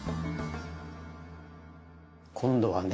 今度はね